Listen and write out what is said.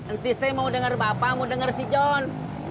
intis mau denger bapak mau denger si jon